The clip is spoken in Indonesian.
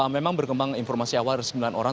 memang berkembang informasi awal ada sembilan orang